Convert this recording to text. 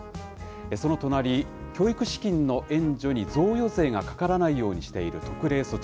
その隣、教育資金の援助に贈与税がかからないようにしている特例措置。